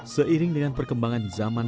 seiring dengan perkembangan zaman